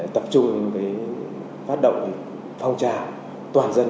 tập trung phát động phòng trào toàn dân